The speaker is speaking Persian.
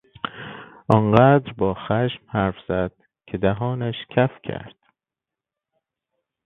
آنقدر با خشم حرف زد که دهانش کف کرد.